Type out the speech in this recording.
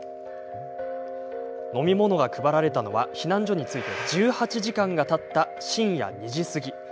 飲み物が配られたのは避難所に着いて１８時間がたった深夜２時過ぎ。